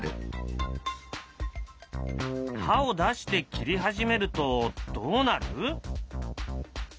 刃を出して切り始めるとどうなる？